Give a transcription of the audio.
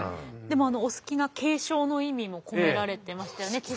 でもお好きな警鐘の意味も込められてましたよね